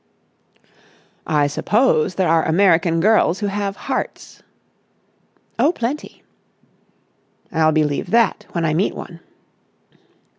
"I suppose there are American girls who have hearts." "Oh, plenty." "I'll believe that when I meet one."